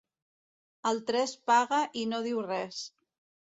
El tres paga i no diu res.